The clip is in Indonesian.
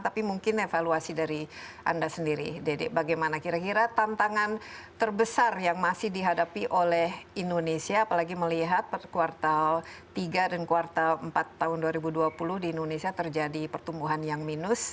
tapi mungkin evaluasi dari anda sendiri dede bagaimana kira kira tantangan terbesar yang masih dihadapi oleh indonesia apalagi melihat pada kuartal tiga dan kuartal empat tahun dua ribu dua puluh di indonesia terjadi pertumbuhan yang minus